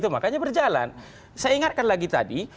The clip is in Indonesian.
makanya berjalan saya ingatkan lagi tadi